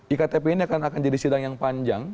iktp ini akan jadi sidang yang panjang